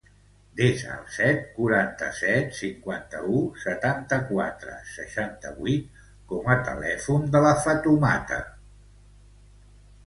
Desa el set, quaranta-set, cinquanta-u, setanta-quatre, seixanta-vuit com a telèfon de la Fatoumata Meana.